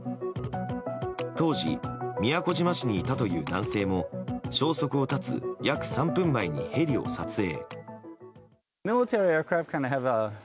当時宮古島市にいたという男性も消息を絶つ約３分前にヘリを撮影。